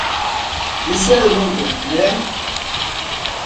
Isso é lindo, né?